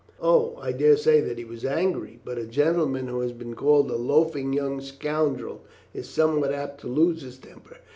"Oh, I dare say that he was angry, but a gentleman who has been called a loafing young scoundrel is somewhat apt to lose his temper.